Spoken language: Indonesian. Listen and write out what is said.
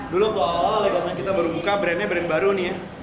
dulu tuh kita baru buka brandnya brand baru nih ya